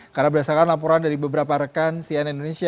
karena berdasarkan laporan dari beberapa rekan cnn indonesia